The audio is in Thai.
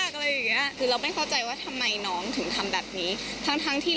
กล่วงตอบในสวทธิ์